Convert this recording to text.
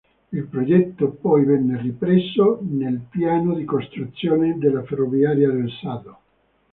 Il progetto poi venne ripreso nel piano di costruzione della ferrovia del Sado.